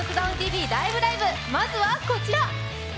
まずは、こちら！